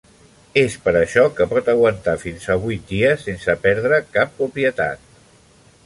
És per això que pot aguantar fins a vuit dies sense perdre cap propietat.